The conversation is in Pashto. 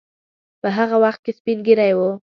په هغه وخت کې سپین ږیری وو.